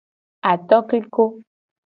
Atokliko.